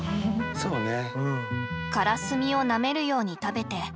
そうね。